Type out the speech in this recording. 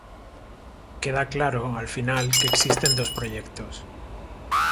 Queda claro, al final, que existen dos proyectos.